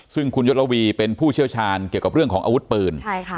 ซึ่งคุณยศระวีเป็นผู้เชี่ยวชาญเกี่ยวกับเรื่องของอาวุธปืน